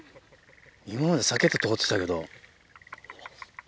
今まで避けて通ってたけど。